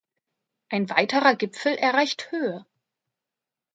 Ein weiterer Gipfel erreicht Höhe.